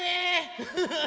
フフフフ。